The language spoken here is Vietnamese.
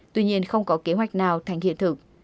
tuy nhiên không có kế hoạch nào thành hiện thực